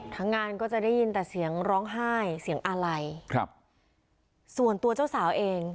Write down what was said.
ทั้งงานก็จะได้ยินแต่เสียงร้องไห้เสียงอาลัยครับส่วนตัวเจ้าสาวเอง